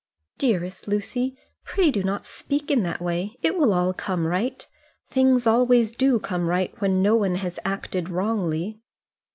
"Dearest Lucy, pray do not speak in that way; it will all come right. Things always do come right when no one has acted wrongly."